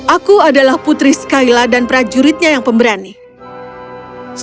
aku adalah putri skyla dan prajuritnya yang pemberani